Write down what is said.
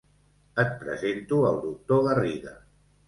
Et presento el doctor Garriga.